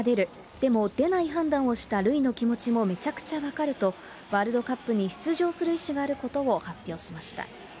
でも出ない判断をしたルイの気持ちもめちゃくちゃ分かると、ワールドカップに出場する意思があることを発表しました。